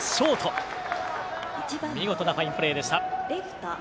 大見事なファインプレーでした。